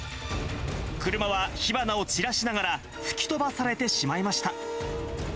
車は火花を散らしながら、吹き飛ばされてしまいました。